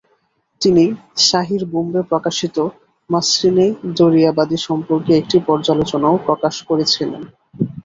তিনি সাহির বোম্বে প্রকাশিত মাসরিনে দরিয়াবাদি সম্পর্কে একটি পর্যালোচনাও প্রকাশ করেছিলেন।